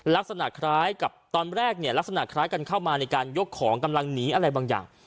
ลักษณะคล้ายกับตอนแรกเนี่ยลักษณะคล้ายกันเข้ามาในการยกของกำลังหนีอะไรบางอย่าง